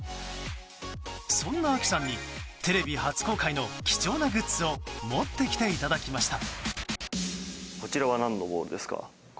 そんなＡＫＩさんにテレビ初公開の貴重なグッズを持ってきていただきました。